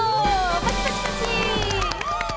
パチパチパチ！